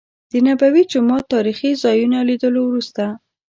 د نبوي جومات تاريخي ځا يونو لیدلو وروسته.